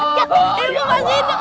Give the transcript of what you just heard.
ibu masih hidup